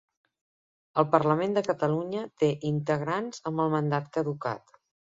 El Parlament de Catalunya té integrants amb el mandat caducat